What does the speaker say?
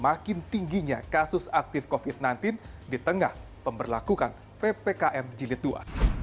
makin tingginya kasus aktif covid sembilan belas di tengah pemberlakukan ppkm jilid ii